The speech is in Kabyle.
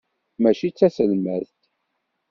Mačči d taselmadt.